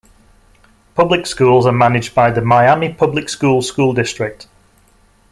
Public schools are managed by the Miami Public Schools school district.